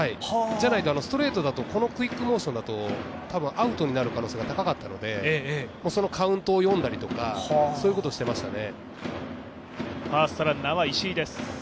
じゃないと、ストレートだとこのクイックモーションだとアウトになる可能性が高かったのでそのカウントを読んだりとかそういうことをしていましたね。